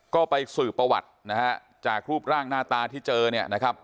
ก็ไปสืบประวัตินะฮะจากรูปร่างหน้าตาที่เจอเนี่ยนะครับ